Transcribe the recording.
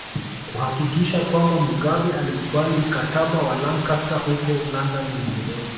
Kuhakikisha kwamba Mugabe alikubali Mkataba wa Lancaster huko London Uingereza